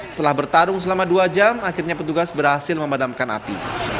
setelah bertarung selama dua jam akhirnya petugas berhasil memadamkan api